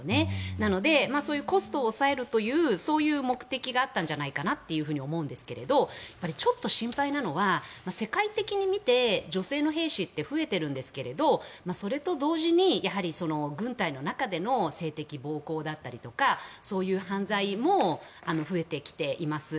なので、そういうコストを抑えるというそういう目的があったんじゃないかなと思うんですがちょっと心配なのは世界的に見て女性の兵士って増えているんですがそれと同時にやはり、軍隊の中での性的暴行だったりとかそういう犯罪も増えてきています。